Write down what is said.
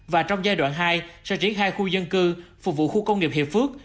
và trong giai đoạn hai sẽ triển khai khu dân cư phục vụ khu công nghiệp hiệp phước